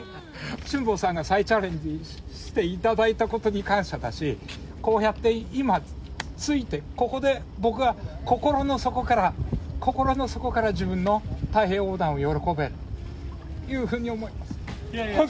辛坊さんが再チャレンジしていただいたことに感謝だし、こうやって今、着いて、ここで僕が、心の底から、心の底から自分の太平洋横断を喜べるというふうに思います。